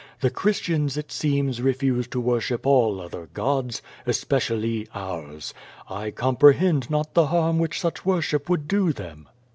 The Christians, it seems, refuse to worship all other gods, especially ours. I comprehend not the harm which such worship would do them.